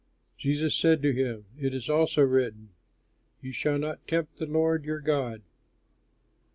'" Jesus said to him, "It is also written, "'You shall not tempt the Lord your God.'"